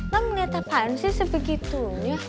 lo ngeliat apaan sih sebegitunya